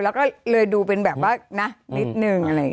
แล้วดูเป็นแบบว่าน่ะนิดนึงอะไรแบบนี้